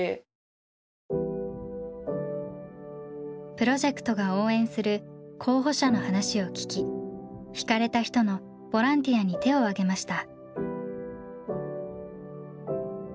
プロジェクトが応援する候補者の話を聞き惹かれた人のボランティアに手をあげました。